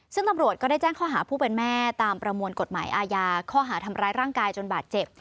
ซึ่งตำรวจก็ได้แจ้งข้อหาผู้เป็นแม่ตามประมวลกฎหมายอาญาข้อหาทำร้ายร่างกายจนบาดเจ็บ